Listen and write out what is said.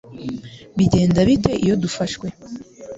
Bigenda bite iyo dufashwe?